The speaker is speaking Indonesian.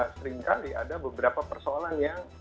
seringkali ada beberapa persoalan yang